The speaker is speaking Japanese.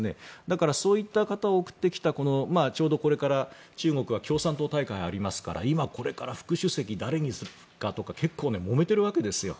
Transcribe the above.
そういう方を送ってきた中国はこれから共産党大会がありますから今、これから副主席を誰にするかって結構もめているわけですよ。